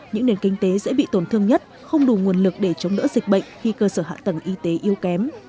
những nền kinh tế dễ bị tổn thương nhất không đủ nguồn lực để chống đỡ dịch bệnh khi cơ sở hạ tầng y tế yếu kém